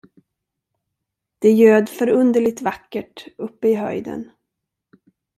Det ljöd förunderligt vackert uppe i höjden.